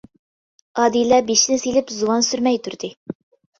ئادىلە بېشىنى سېلىپ زۇۋان سۈرمەي تۇردى.